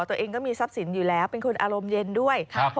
ตัวเองก็มีทรัพย์สินอยู่แล้วเป็นคนอารมณ์เย็นด้วย